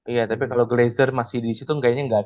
iya tapi kalau glazer masih disitu kayaknya nggak